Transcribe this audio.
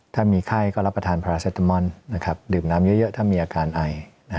ถ้ามีไข้ก็รับประทานพาราเซตามอนดื่มน้ำเยอะถ้ามีอาการไอ